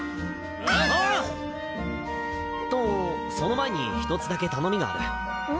お！とその前に１つだけ頼みがある。